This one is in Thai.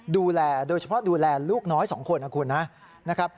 ดูแลโดยเฉพาะดูแลลูกน้อย๒คนนะคุณนะครับ